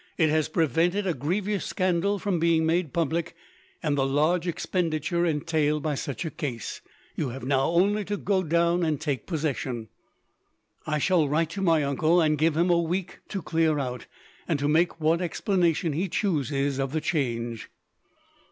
It has prevented a grievous scandal from being made public, and the large expenditure entailed by such a case. You have now only to go down and take possession." "I shall write to my uncle, and give him a week to clear out, and to make what explanation he chooses of the change."